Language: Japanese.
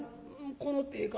「この手か？」。